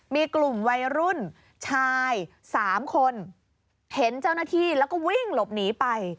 มีกลุ่มวัยรุ่นชาย๓คนเห็นเจ้าหน้าที่แล้วก็วิ่งหลบหนีไป